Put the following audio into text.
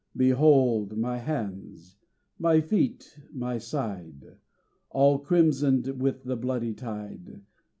"Behold My hands, My feet, My side, All crimsoned with the bloody tide!